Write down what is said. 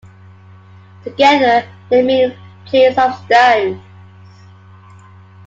Together, they mean "place of stones".